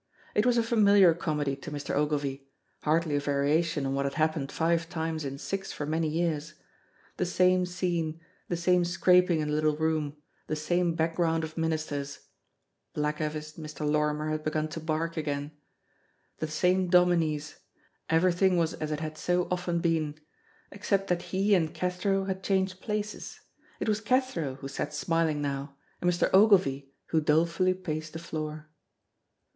It was a familiar comedy to Mr. Ogilvy, hardly a variation on what had happened five times in six for many years: the same scene, the same scraping in the little room, the same background of ministers (black aviced Mr. Lorrimer had begun to bark again), the same dominies; everything was as it had so often been, except that he and Cathro had changed places; it was Cathro who sat smiling now and Mr. Ogilvy who dolefully paced the floor.